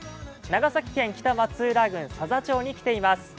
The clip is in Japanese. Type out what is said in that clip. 長崎県北松浦郡佐々町に来ています。